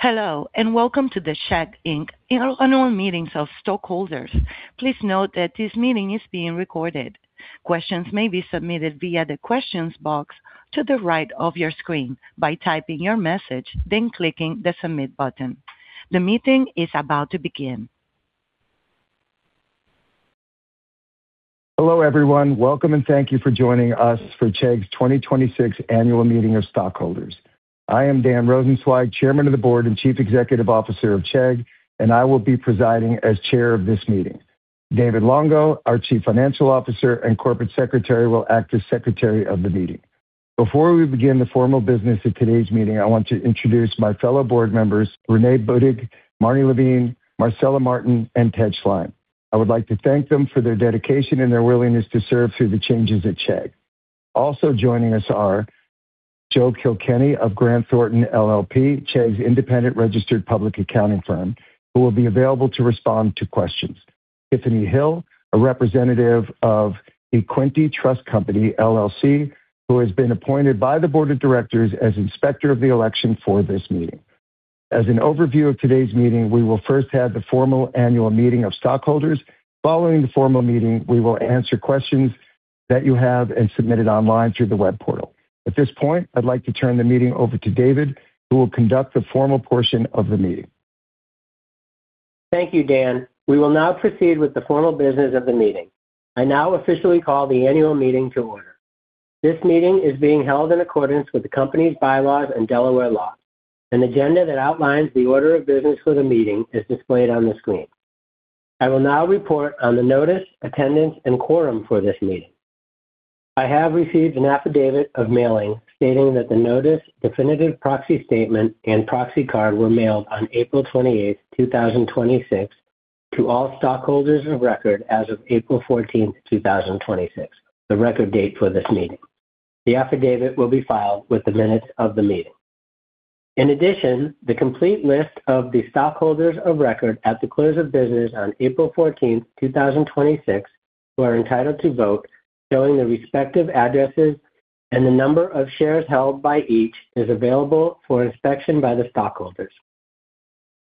Hello, welcome to the Chegg, Inc Annual Meetings of Stockholders. Please note that this meeting is being recorded. Questions may be submitted via the questions box to the right of your screen by typing your message, then clicking the Submit button. The meeting is about to begin. Hello, everyone. Welcome, thank you for joining us for Chegg's 2026 Annual Meeting of Stockholders. I am Dan Rosensweig, Chairman of the Board and Chief Executive Officer of Chegg, I will be presiding as chair of this meeting. David Longo, our Chief Financial Officer and Corporate Secretary, will act as Secretary of the meeting. Before we begin the formal business of today's meeting, I want to introduce my fellow board members, Renee Budig, Marne Levine, Marcela Martin, and Ted Schlein. I would like to thank them for their dedication and their willingness to serve through the changes at Chegg. Also joining us are Joe Kilkenny of Grant Thornton LLP, Chegg's independent registered public accounting firm, who will be available to respond to questions. Tiffany Hill, a representative of Equiniti Trust Company, LLC, who has been appointed by the board of directors as Inspector of the Election for this meeting. As an overview of today's meeting, we will first have the formal annual meeting of stockholders. Following the formal meeting, we will answer questions that you have submitted online through the web portal. At this point, I'd like to turn the meeting over to David, who will conduct the formal portion of the meeting. Thank you, Dan. We will now proceed with the formal business of the meeting. I now officially call the annual meeting to order. This meeting is being held in accordance with the company's bylaws and Delaware law. An agenda that outlines the order of business for the meeting is displayed on the screen. I will now report on the notice, attendance, and quorum for this meeting. I have received an affidavit of mailing stating that the notice, definitive proxy statement, and proxy card were mailed on April 28th, 2026, to all stockholders of record as of April 14th, 2026, the record date for this meeting. The affidavit will be filed with the minutes of the meeting. In addition, the complete list of the stockholders of record at the close of business on April 14th, 2026, who are entitled to vote, showing the respective addresses and the number of shares held by each, is available for inspection by the stockholders.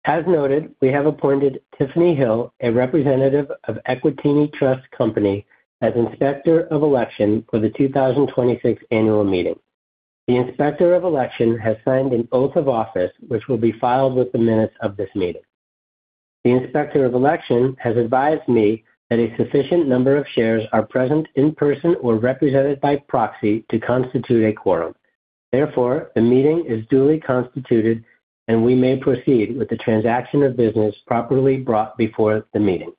As noted, we have appointed Tiffany Hill, a representative of Equiniti Trust Company, as Inspector of Election for the 2026 annual meeting. The Inspector of Election has signed an oath of office, which will be filed with the minutes of this meeting. The Inspector of Election has advised me that a sufficient number of shares are present in person or represented by proxy to constitute a quorum. Therefore, the meeting is duly constituted, and we may proceed with the transaction of business properly brought before the meeting.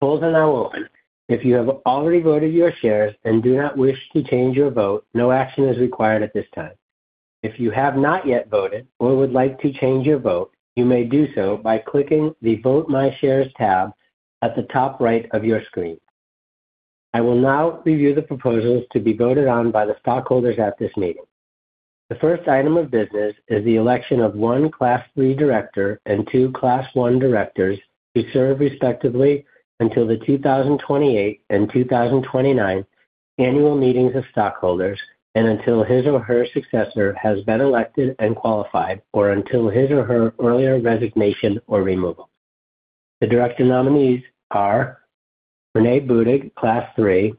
Polls are now open. If you have already voted your shares and do not wish to change your vote, no action is required at this time. If you have not yet voted or would like to change your vote, you may do so by clicking the Vote My Shares tab at the top right of your screen. I will now review the proposals to be voted on by the stockholders at this meeting. The first item of business is the election of one Class III director and two Class I directors to serve respectively until the 2028 and 2029 Annual Meetings of Stockholders and until his or her successor has been elected and qualified or until his or her earlier resignation or removal. The director nominees are Renee Budig, Class III,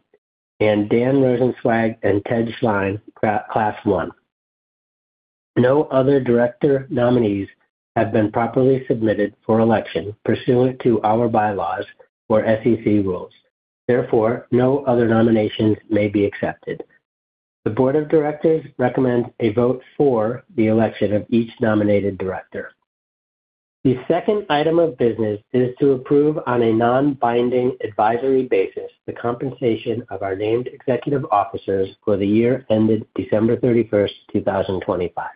and Dan Rosensweig and Ted Schlein, Class I. No other director nominees have been properly submitted for election pursuant to our bylaws or SEC rules. Therefore, no other nominations may be accepted. The board of directors recommends a vote for the election of each nominated director. The second item of business is to approve on a non-binding advisory basis the compensation of our named executive officers for the year ended December 31st, 2025.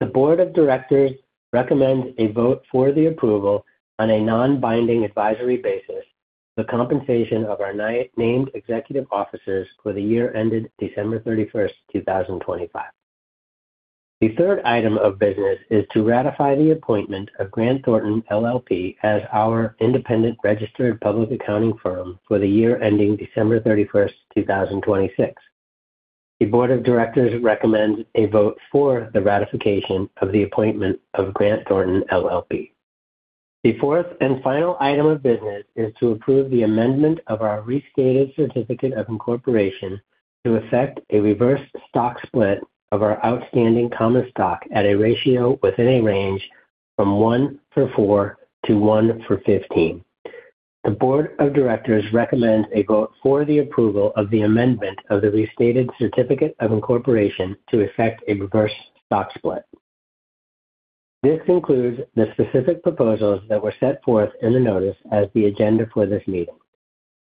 The board of directors recommends a vote for the approval on a non-binding advisory basis the compensation of our named executive officers for the year ended December 31st, 2025. The third item of business is to ratify the appointment of Grant Thornton LLP as our independent registered public accounting firm for the year ending December 31st, 2026. The board of directors recommends a vote for the ratification of the appointment of Grant Thornton LLP. The fourth and final item of business is to approve the amendment of our restated certificate of incorporation to effect a reverse stock split of our outstanding common stock at a ratio within a range from 1:4 to 1:15. The board of directors recommends a vote for the approval of the amendment of the restated certificate of incorporation to effect a reverse stock split. This concludes the specific proposals that were set forth in the notice as the agenda for this meeting.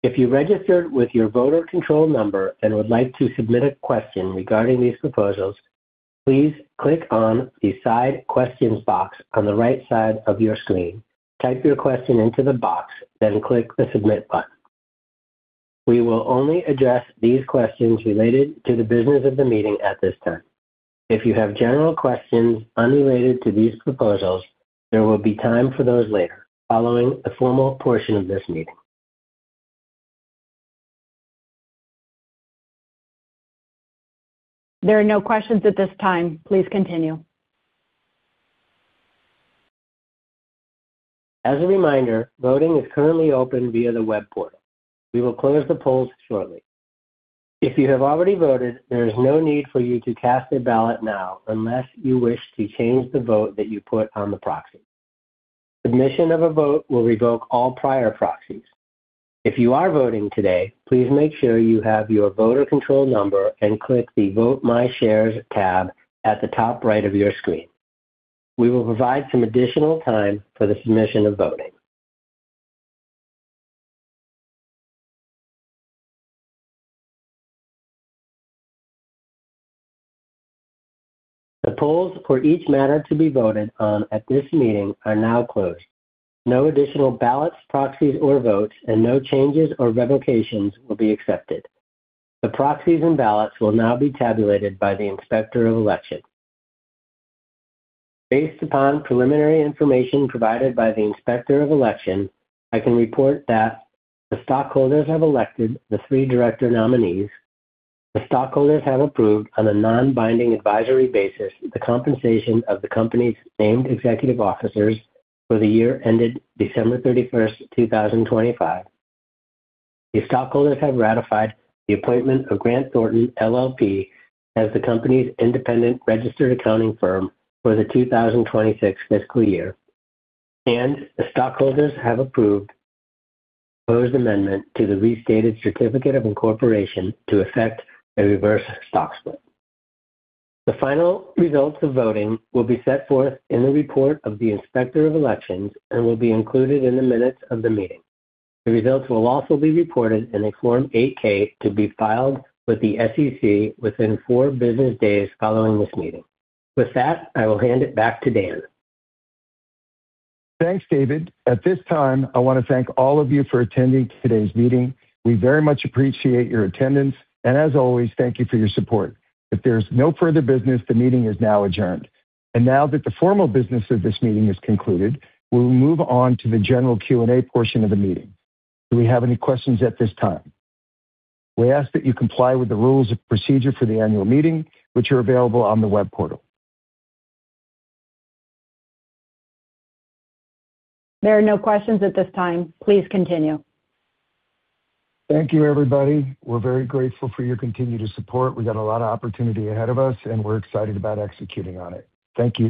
If you registered with your voter control number and would like to submit a question regarding these proposals, please click on the side questions box on the right side of your screen. Type your question into the box, then click the Submit button. We will only address these questions related to the business of the meeting at this time. If you have general questions unrelated to these proposals, there will be time for those later, following the formal portion of this meeting. There are no questions at this time. Please continue. As a reminder, voting is currently open via the web portal. We will close the polls shortly. If you have already voted, there is no need for you to cast a ballot now unless you wish to change the vote that you put on the proxy. Submission of a vote will revoke all prior proxies. If you are voting today, please make sure you have your voter control number and click the Vote My Shares tab at the top right of your screen. We will provide some additional time for the submission of voting. The polls for each matter to be voted on at this meeting are now closed. No additional ballots, proxies, or votes, and no changes or revocations will be accepted. The proxies and ballots will now be tabulated by the Inspector of Election. Based upon preliminary information provided by the Inspector of Election, I can report that the stockholders have elected the three director nominees, the stockholders have approved on a non-binding advisory basis the compensation of the company's named executive officers for the year ended December 31st, 2025. The stockholders have ratified the appointment of Grant Thornton LLP as the company's independent registered accounting firm for the 2026 fiscal year. The stockholders have approved the proposed amendment to the restated certificate of incorporation to effect a reverse stock split. The final results of voting will be set forth in the report of the Inspector of Election and will be included in the minutes of the meeting. The results will also be reported in a Form 8-K to be filed with the SEC within four business days following this meeting. With that, I will hand it back to Dan. Thanks, David. At this time, I want to thank all of you for attending today's meeting. We very much appreciate your attendance, and as always, thank you for your support. If there's no further business, the meeting is now adjourned. Now that the formal business of this meeting is concluded, we will move on to the general Q&A portion of the meeting. Do we have any questions at this time? We ask that you comply with the rules of procedure for the annual meeting, which are available on the web portal. There are no questions at this time. Please continue. Thank you, everybody. We're very grateful for your continued support. We got a lot of opportunity ahead of us, and we're excited about executing on it. Thank you.